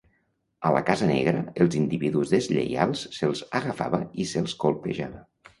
A la "casa negra" els individus deslleials se'ls agafava i se'ls colpejava.